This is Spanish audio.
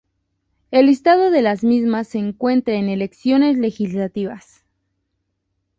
El listado de las mismas se encuentra en elecciones legislativas.